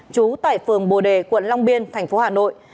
trú tại phường bồ đề quận long biên tp hà nội